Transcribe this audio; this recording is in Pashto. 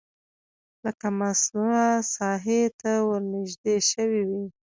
لکه ممنوعه ساحې ته ورنژدې شوی وي